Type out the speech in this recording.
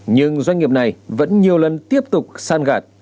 nhưng doanh nghiệp này vẫn nhiều lần tiếp tục san gạt